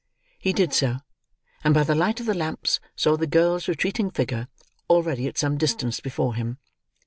He did so; and, by the light of the lamps, saw the girl's retreating figure, already at some distance before him.